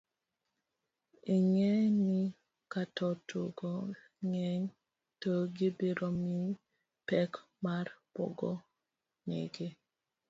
ing'e ni kajotugo ng'eny to gibiro miyi pek mar pogo nigi